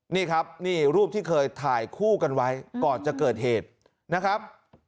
นี่ครับนี่รูปที่เคยถ่ายคู่กันไว้ก่อนจะเกิดเหตุนะครับ